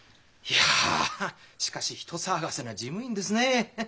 いやしかし人騒がせな事務員ですねえ。